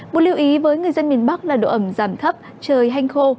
bộ lưu ý với người dân miền bắc là độ ẩm giảm thấp trời hanh khô